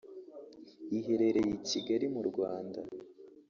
iherereye i Kigali mu Rwanda